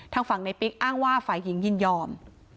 ทางฝั่งในปิ๊กอ้างว่าฝ่ายหญิงยินยอม